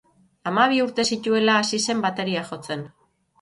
Hamabi urte zituela hasi zen bateria jotzen.